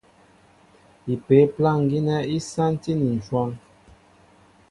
Ipě' plâŋ gínɛ́ í sántí ni ǹshɔ́n.